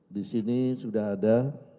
disini sudah ada